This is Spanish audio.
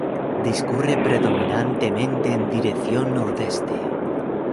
Discurre predominantemente en dirección nordeste.